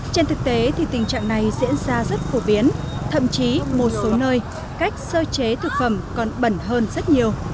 trên thực tế thì tình trạng này diễn ra rất phổ biến thậm chí một số nơi cách sơ chế thực phẩm còn bẩn hơn rất nhiều